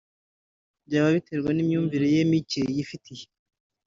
byaba biterwa n’imyumvire ye mike yifitiye